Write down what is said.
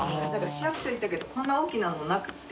毀鮟行ったけどこんな大きなのなくて。